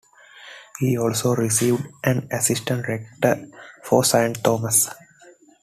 He also received an assistant rector for Saint Thomas.